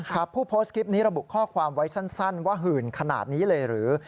ผู้โพสต์คลิปนี้ระบุข้อความไว้สั้นว่าหื่นขนาดนี้เลยหรือ